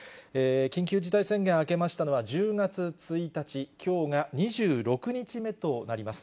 緊急事態宣言明けましたのは１０月１日、きょうが２６日目となります。